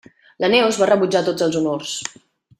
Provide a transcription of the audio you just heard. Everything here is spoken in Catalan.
La Neus va rebutjar tots els honors.